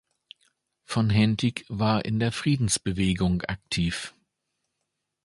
Von Hentig war in der Friedensbewegung aktiv.